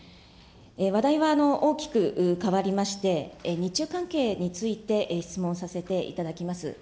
話題は大きく変わりまして、日中関係について、質問させていただきます。